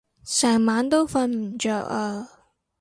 成晚都瞓唔著啊